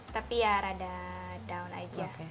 tapi ya rada down aja